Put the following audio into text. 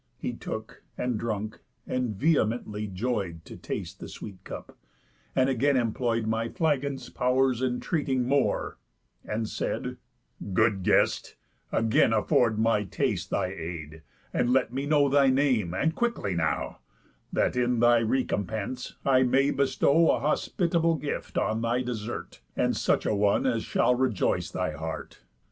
He took, and drunk, and vehemently joy'd To taste the sweet cup; and again employ'd My flagon's pow'rs, entreating more, and said: ῾Good guest, again afford my taste thy aid, And let me know thy name, and quickly now, That in thy recompense I may bestow A hospitable gift on thy desert, And such a one as shall rejoice thy heart.